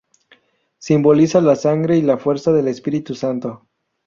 Simboliza la sangre y la fuerza del Espíritu Santo.